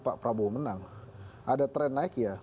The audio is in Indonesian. pak prabowo menang ada tren naik ya